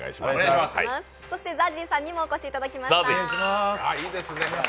そしてＺＡＺＹさんにもお越しいただきました。